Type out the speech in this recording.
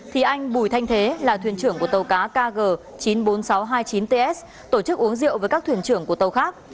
thì anh bùi thanh thế là thuyền trưởng của tàu cá kg chín mươi bốn nghìn sáu trăm hai mươi chín ts tổ chức uống rượu với các thuyền trưởng của tàu khác